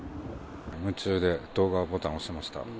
夢中で動画ボタンを押しました。